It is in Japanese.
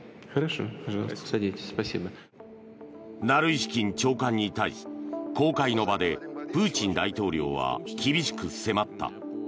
ナルイシキン長官に対し公開の場でプーチン大統領は厳しく迫った。